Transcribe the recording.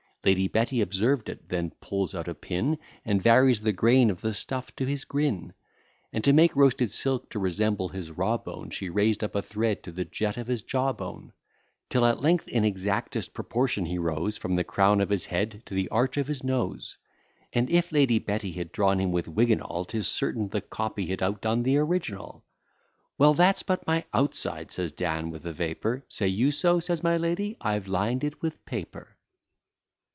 Lady Betty observed it, then pulls out a pin, And varies the grain of the stuff to his grin: And, to make roasted silk to resemble his raw bone, She raised up a thread to the jet of his jaw bone; Till at length in exactest proportion he rose, From the crown of his head to the arch of his nose; And if Lady Betty had drawn him with wig and all, 'Tis certain the copy had outdone the original. Well, that's but my outside, says Dan, with a vapour; Say you so? says my lady; I've lined it with paper.